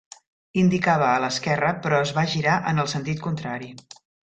Indicava a l'esquerra, però es va girar en el sentit contrari.